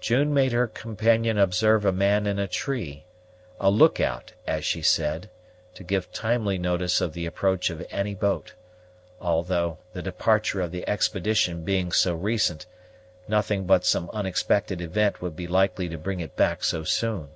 June made her companion observe a man in a tree, a look out, as she said, to give timely notice of the approach of any boat, although, the departure of the expedition being so recent, nothing but some unexpected event would be likely to bring it back so soon.